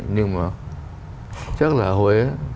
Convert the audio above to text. nhưng mà chắc là huế